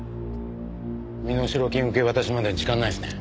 身代金受け渡しまで時間ないっすね。